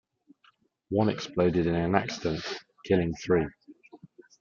One exploded in an accident, killing three.